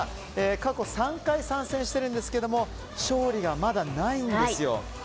過去３回参戦していますが勝利がまだないんですよ。